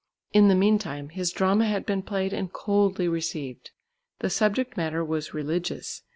In the meantime his drama had been played and coldly received. The subject matter was religious.